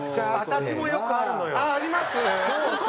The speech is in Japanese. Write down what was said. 私もよくあるの！